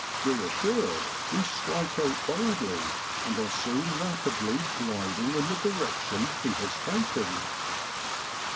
Eeassured, we strike out boldly, and are soon rapidly gliding in the direction he has taken.